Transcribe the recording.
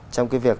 trong cái việc